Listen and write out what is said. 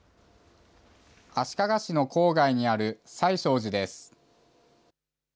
足利市の郊外にある最勝寺です。